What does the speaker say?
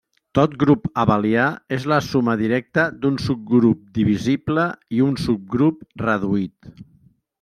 Tot grup abelià és la suma directa d'un subgrup divisible i un subgrup reduït.